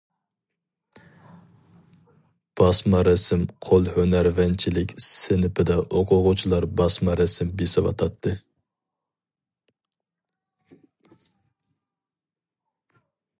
باسما رەسىم قول ھۈنەرۋەنچىلىك سىنىپىدا ئوقۇغۇچىلار باسما رەسىم بېسىۋاتاتتى.